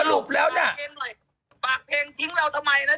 เดี๋ยว